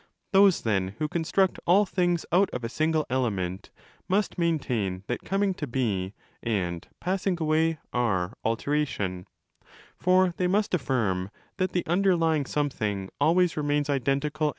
Those, then, who construct all things out of a single element, must maintain that coming to be and passing away are 'alteration'. For they must affirm that the under lying something always remains identical.